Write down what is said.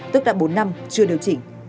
tức đã bốn năm chưa điều chỉnh